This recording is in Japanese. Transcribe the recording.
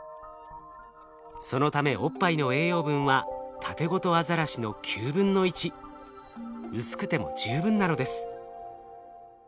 そのためおっぱいの栄養分はタテゴトアザラシの９分の１。薄くても十分なのです。